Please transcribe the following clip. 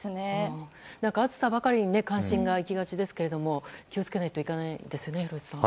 暑さばかりに関心が行きがちですが気を付けないといけないですね廣瀬さん。